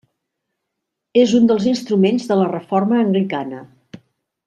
És un dels instruments de la Reforma Anglicana.